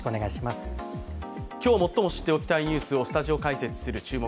今日、最も知っておきたいニュースをスタジオ解説する「注目！